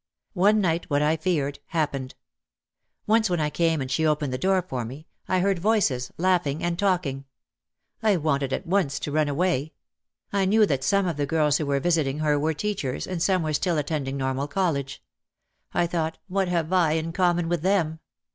One night what I feared happened. Once when I came and she opened the door for me, I OUT OF THE SHADOW 299 heard voices, laughing and talking. I wanted at once to run away. I knew that some of the girls who were visit ing her were teachers, and some were still attending normal college. I thought, What have I in common with them